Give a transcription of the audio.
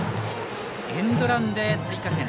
エンドランで追加点。